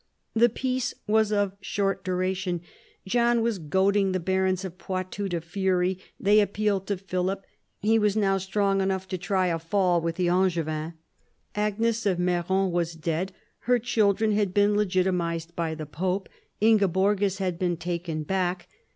The peace was of short duration. John was goading the barons of Poitou to fury. They appealed to Philip. He was now strong enough to try a fall with the Angevin. Agnes of Meran was dead. Her children had been legitimatised by the pope. Ingeborgis had been taken back.